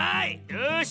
よし！